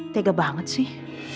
tega banget sih